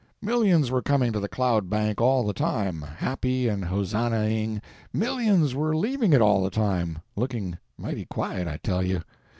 Millions were coming to the cloud bank all the time, happy and hosannahing; millions were leaving it all the time, looking mighty quiet, I tell you.